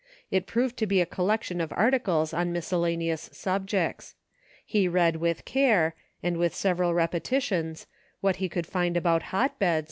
It proved to be a collection of articles on miscellane ous subjects. He read with care, and with several repetitions, what he could find about hotbeds.